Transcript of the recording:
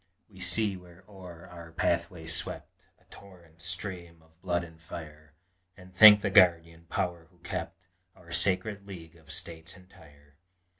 We see where o'er our pathway swept A torrent stream of blood and fire, And thank the Guardian Power who kept Our sacred League of States entire.